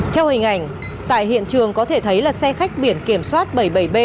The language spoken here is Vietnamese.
theo hình ảnh tại hiện trường có thể thấy là xe khách biển kiểm soát bảy mươi bảy b một mươi sáu